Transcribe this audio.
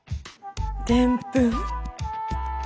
でんぷん？